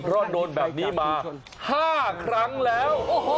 เพราะโดนแบบนี้มา๕ครั้งแล้ว